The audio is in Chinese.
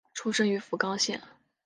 出身于福冈县。